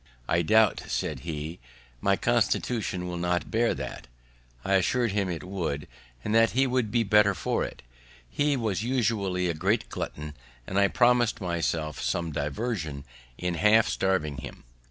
"I doubt," said he, "my constitution will not bear that." I assur'd him it would, and that he would be the better for it. He was usually a great glutton, and I promised myself some diversion in half starving him.